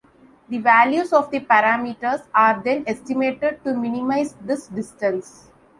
The values of the parameters are then estimated to minimize this distance.